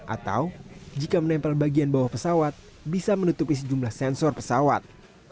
atau jika menempel bagian bawah pesawat bisa menutupi sejumlah sensor pesawat